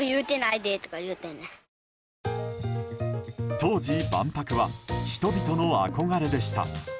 当時、万博は人々の憧れでした。